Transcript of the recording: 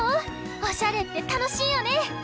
おしゃれってたのしいよね！